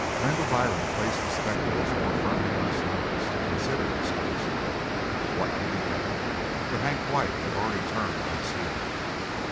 Randall Byrne placed his spectacles more firmly on his nose to consider his host. "What " he began, but Hank Dwight had already turned on his heel.